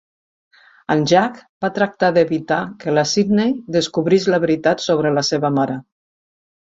En Jack va tractar d'evitar que la Sydney descobrís la veritat sobre la seva mare.